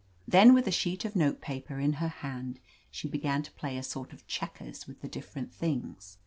Then with the sheet of note paper in her hand, she began to play a sort of checkers with the different things.